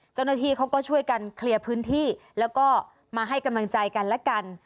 เจ้าหน้าที่เขาก็ช่วยกันเคลียร์พื้นที่แล้วก็มาให้กำลังใจกันและกัน